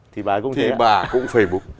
thì bà cũng facebook